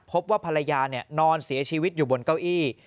พบว่าภรรยานอนเสียชีวิตอยู่บนเก้าอี้